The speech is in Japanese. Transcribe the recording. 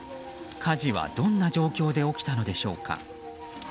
火事はどんな状況で起きたのでしょうか。